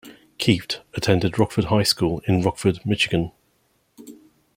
Kieft attended Rockford High School in Rockford, Michigan.